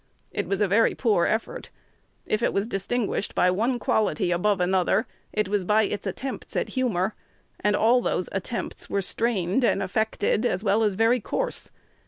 It was a very poor effort. If it was distinguished by one quality above another, it was by its attempts at humor; and all those attempts were strained and affected, as well as very coarse.